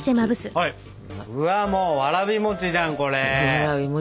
うわもうわらび餅じゃんこれ。